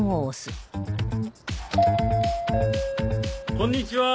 こんにちは。